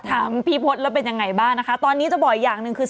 ถามพี่พศแล้วเป็นยังไงบ้างนะคะตอนนี้จะบอกอีกอย่างหนึ่งคือ